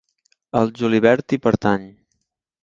El julivert hi pertany.